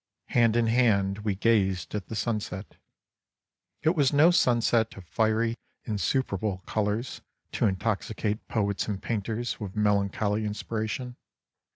Hand in hand we gazed at the sunset. It was no sunset of fiery insuperable colors to intoxicate poets and painters with melancholy inspiration.